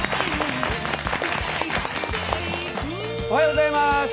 おはようございます。